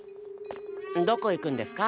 どこ行くんですか？